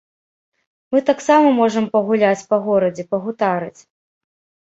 Мы таксама можам пагуляць па горадзе, пагутарыць.